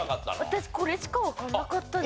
私これしかわかんなかったです。